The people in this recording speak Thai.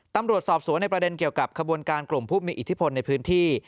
ตำรวจสอบสวนในประเด็นเกี่ยวกับขบวนการกลุ่มผู้มีอิทธิพลในพื้นที่